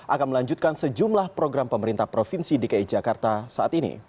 akan melanjutkan sejumlah program pemerintah provinsi dki jakarta saat ini